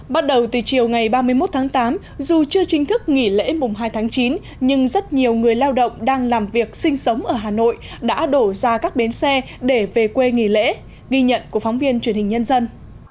bắt đầu từ chiều ngày ba mươi một tháng tám dù chưa chính thức nghỉ lễ mùng hai tháng chín nhưng rất nhiều người lao động đang làm việc sinh sống ở hà nội đã đổ ra các bến xe để về quê nghỉ lễ ghi nhận của phóng viên truyền hình nhân dân